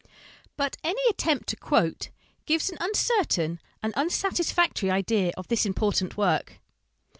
But any attempt to quote gives an uncertain and unsatisfactory idea of this important work.